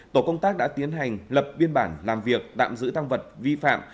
tổ công tác đã tiến hành lập biên bản làm việc đạm giữ thang vật vi phạm